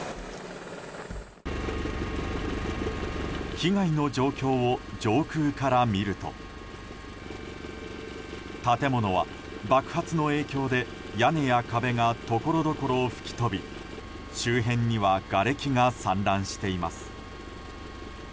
被害の状況を上空から見ると建物は爆発の影響で屋根や壁がところどころ吹き飛び周辺にはがれきが散乱しています。